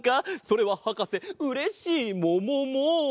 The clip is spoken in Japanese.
それははかせうれしいももも！